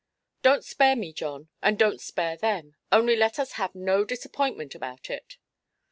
"Donʼt spare me, John, and donʼt spare them: only let us have no disappointment about it".